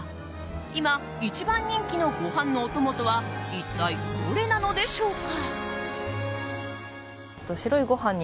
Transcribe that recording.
今一番人気のご飯のお供とは一体どれなのでしょうか？